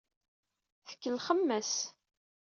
Tkellxem-as.